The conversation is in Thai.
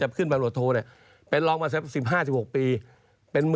แต่ผมบอกคุณจอมฟันเลยว่า๓๓เปอร์เซ็นต์